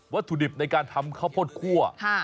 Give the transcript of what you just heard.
วัตถุดิบในการทำข้าวโปรดขั้ว